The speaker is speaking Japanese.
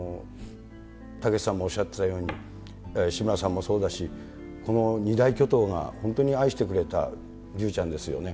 たけしさんもおっしゃってたように、志村さんもそうだし、この二大巨頭が本当に愛してくれた竜ちゃんですよね。